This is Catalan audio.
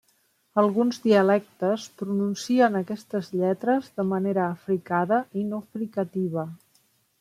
Alguns dialectes pronuncien aquestes lletres de manera africada i no fricativa.